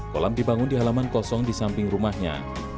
kolam dibangun di halaman kosong di samping rumahnya